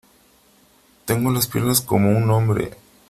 tengo las piernas como un hombre .